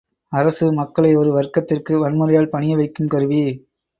அரசு மக்களை ஒரு வர்க்கத்திற்கு வன்முறையால் பணிய வைக்கும் கருவி.